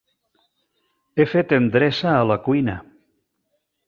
He fet endreça a la cuina.